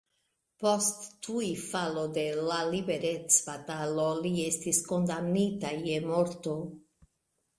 Post tuj falo de la liberecbatalo li estis kondamnita je morto.